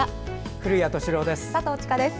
古谷敏郎です。